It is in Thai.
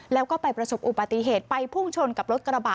แล้วก็ไปประสบอุบัติเหตุไปพุ่งชนกับรถกระบะ